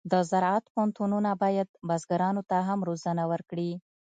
د زراعت پوهنتونونه باید بزګرانو ته هم روزنه ورکړي.